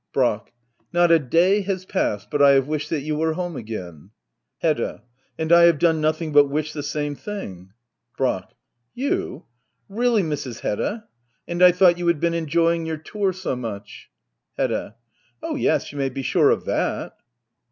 Brack. Not a day has passed but I have wished that you were home again. HEDDAt And I have done nothing but wish the same thing. Brack. You? Really, Mrs. Hedda .^ And I thought you had been enjoying your tour so much ! Hedda. Oh yes, you may be sure of that